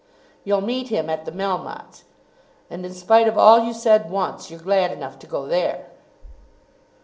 "You'll meet him at the Melmottes', and, in spite of all you said once, you're glad enough to go there."